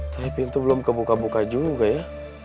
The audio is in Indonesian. tapi pintu belum kebuka buka juga ya